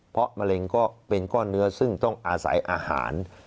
เพราะมะเร็งก็เป็นก้อนเนื้อซึ่งต้องอาศัยอาหาร